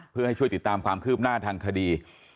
เพื่อให้ช่วยติดตามความคืบหน้าทางคดี